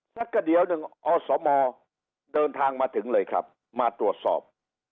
กระเดี๋ยวหนึ่งอสมเดินทางมาถึงเลยครับมาตรวจสอบ